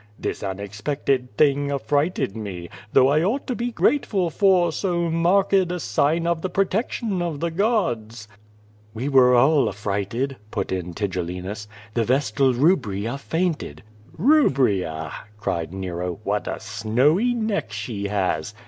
This unexpected thing affrighted me, though I ought to be grateful for so marked a sign of the protection of the gods." "We were all affrighted," put in Tigellinus. "The vestal Bubria fainted." "l^ubria," cried Nero, "M'hat a snowy neck she has!"